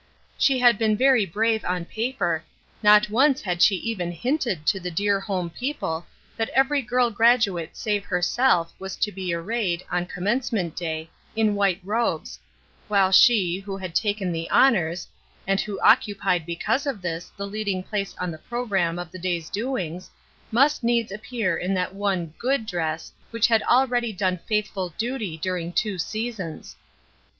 She had been very brave, on paper, not once had she even hinted to the dear home people that every girl graduate save herself was to be arrayed, on Commencement Day, in white robes ; while she, who had taken the honors, and who occupied because of this the leading place on th(5 programme of the day's doings, must needs appear in that one "good" dress which had already done faithful duty durmg two seasons.